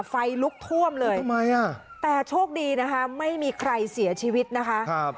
ไฟลุกท่วมเลยอ่ะแต่โชคดีนะคะไม่มีใครเสียชีวิตนะคะ